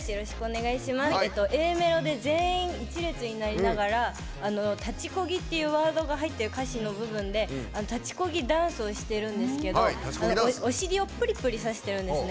Ａメロで全員一列になりながら「立ち漕ぎ」っていうワードが入ってる歌詞の部分で立ち漕ぎダンスをしているんですけどお尻をぷりぷりさせてるんですね。